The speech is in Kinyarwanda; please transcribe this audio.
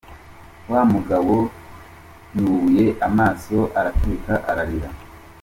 Wa mugabo yubuye amaso araturika ararira.